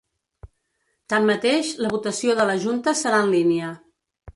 Tanmateix, la votació de la junta serà en línia.